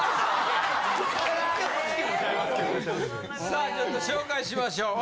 さあちょっと紹介しましょう。